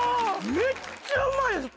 めっちゃうまいです！